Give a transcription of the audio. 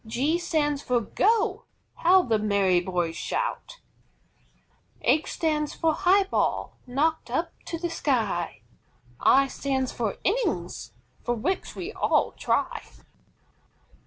G stands for "GO" How the merry boys shout! H stands for HIGH BALL, knocked up to the sky. I stands for INNINGS, for which we all try.